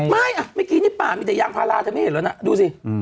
ไม่ไม่กินที่ป่ามีแต่ยางพาราเธอไม่เห็นหรือนะดูสิ